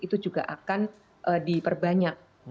itu juga akan diperbanyak